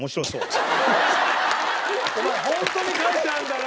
お前ホントに書いてあるんだな！？